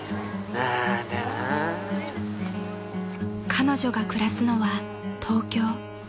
［彼女が暮らすのは東京］